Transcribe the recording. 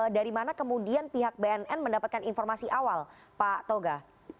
dari mana kemudian pihak bnn mendapatkan informasi awal pak toga